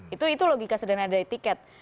itu logika sederhana dari tiket